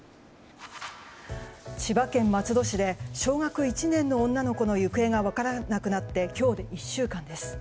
千葉県松戸市で小学１年の女の子の行方が分からなくなって今日で１週間です。